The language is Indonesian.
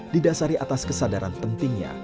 didasari atas kesadaran pentingnya